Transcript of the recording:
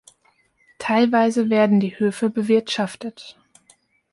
Teilweise werden die Höfe bewirtschaftet.